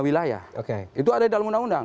wilayah itu ada dalam undang undang